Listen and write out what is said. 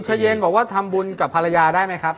เย็นบอกว่าทำบุญกับภรรยาได้ไหมครับ